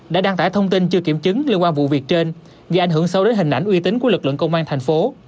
đã đăng tải thông tin chưa kiểm chứng liên quan vụ việc trên gây ảnh hưởng sâu đến hình ảnh uy tín của lực lượng công an thành phố